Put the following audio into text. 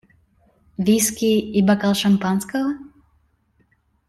Виски - и бокал шампанского?